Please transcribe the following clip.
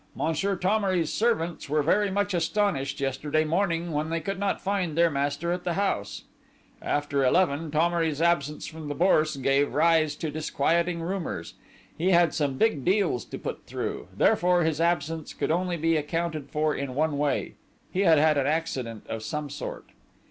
Monsieur Thomery's servants were very much astonished yesterday morning, when they could not find their master in the house. "After eleven, Thomery's absence from the Bourse gave rise to disquieting rumors. He had some big deals to put through, therefore his absence could only be accounted for in one way he had had an accident of some sort.